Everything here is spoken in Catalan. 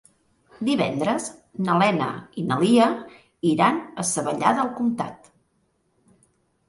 Divendres na Lena i na Lia iran a Savallà del Comtat.